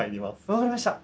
分かりました。